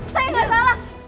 saya gak salah